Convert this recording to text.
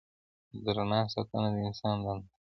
د رڼا ساتنه د انسان دنده ده.